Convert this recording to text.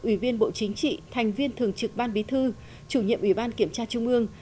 ủy viên bộ chính trị thành viên thường trực ban bí thư chủ nhiệm ủy ban kiểm tra trung ương